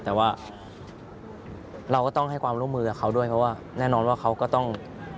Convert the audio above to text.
แต่ว่าเราก็ต้องให้ความร่วมมือกับเขาด้วยเพราะว่าแน่นอนว่าเขาก็ต้อง